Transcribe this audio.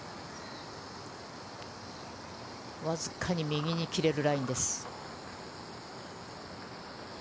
わずかに右に切れるラインです。